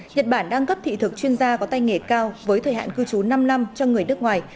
nhật bản đang cấp thị thực chuyên gia có tay nghề cao với thời hạn cư trú năm năm cho người nước ngoài